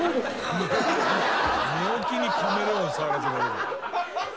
寝起きにカメレオン触らせられる。